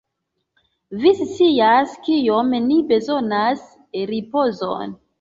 Vi scias, kiom ni bezonas ripozon.